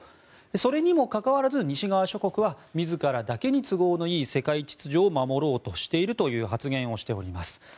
それにもかかわらず西側諸国は自らだけに都合のいい世界秩序を守ろうとしているという発言をしております。